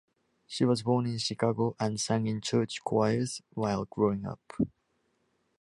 She was born in Chicago and sang in church choirs while growing up.